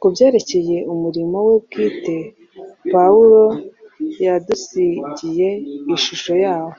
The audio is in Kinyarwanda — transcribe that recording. Ku byerekeye umurimo we bwite, Pawulo yadusigiye ishusho yawo,